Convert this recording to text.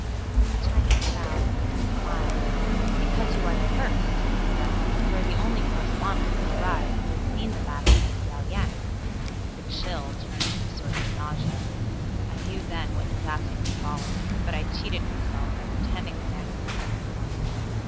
The Chinaman bowed and smiled. "Because you are the first," he said. "You are the only correspondent to arrive who has seen the battle of Liao Yang." The chill turned to a sort of nausea. I knew then what disaster had fallen, but I cheated myself by pretending the man was misinformed.